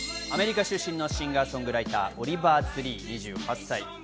アメリカ出身のシンガー・ソングライター、オリバー・ツリー、２８歳。